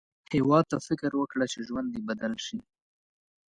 هیواد ته فکر وکړه، چې ژوند دې بدل شي